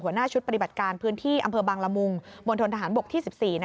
หัวหน้าชุดปฏิบัติการพื้นที่อบางรมุงมฐะหารบกที่๑๔